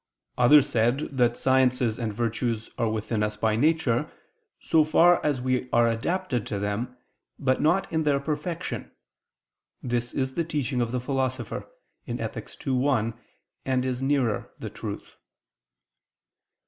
Others said that sciences and virtues are within us by nature, so far as we are adapted to them, but not in their perfection: this is the teaching of the Philosopher (Ethic. ii, 1), and is nearer the truth.